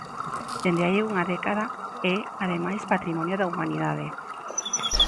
Dende hai unha década é, ademais, Patrimonio da Humanidade.